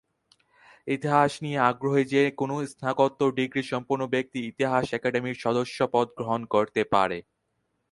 ইতিহাস নিয়ে আগ্রহী যেকোন স্নাতকোত্তর ডিগ্রী সম্পন্ন ব্যক্তি ইতিহাস একাডেমীর সদস্যপদ গ্রহণ করতে পারে।